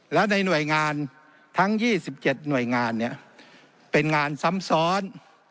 แล้วในหน่วยงานทั้ง๒๗หน่วยงานเป็นงานซ้ำซ้อน